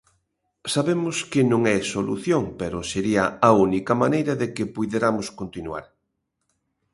Sabemos que non é solución pero sería a única maneira de que puideramos continuar.